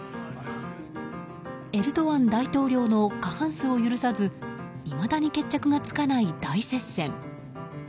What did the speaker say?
エルドアン大統領の過半数を許さずいまだに決着がつかない大接戦。